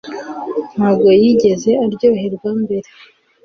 Ntabwo yigeze aryoherwa mbere